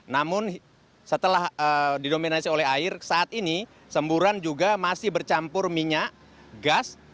namun setelah didominasi oleh air saat ini semburan juga masih bercampur minyak gas